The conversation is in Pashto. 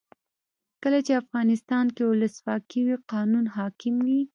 کله چې افغانستان کې ولسواکي وي قانون حاکم وي.